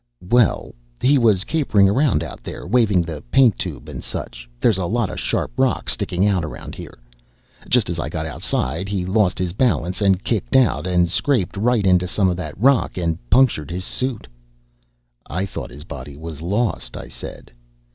"Well, he was capering around out there, waving the paint tube and such. There's a lot of sharp rock sticking out around here. Just as I got outside, he lost his balance and kicked out, and scraped right into some of that rock, and punctured his suit." "I thought the body was lost," I said.